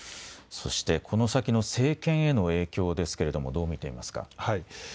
そしてこの先の政権への影響ですけれどもどう見ていますか。